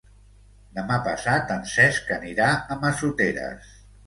Demà passat en Cesc anirà a Massoteres.